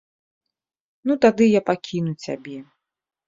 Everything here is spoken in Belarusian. Ну, тады я пакіну цябе.